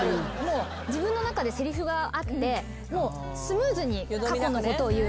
自分の中でせりふがあってスムーズに過去のことを言う。